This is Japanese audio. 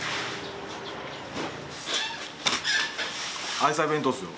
愛妻弁当っすよ。